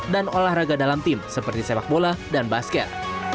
dan olahraga dalam tim seperti sepak bola dan basket